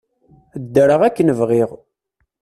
Ddreɣ akken bɣiɣ.